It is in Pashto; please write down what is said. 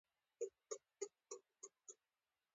ځغاسته د انسان طبیعت تازه کوي